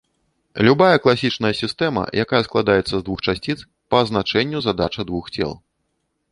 Любая класічная сістэма, якая складаецца з двух часціц, па азначэнню задача двух цел.